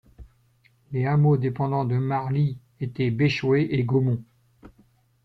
Les hameaux dépendants de Marly étaient Béchaué et Gomont.